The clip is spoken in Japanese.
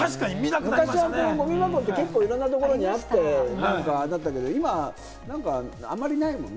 昔はゴミ箱で結構いろんなところにあってだったけれども、今なんかあまりないもんね。